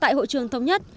tại hội trường thống nhất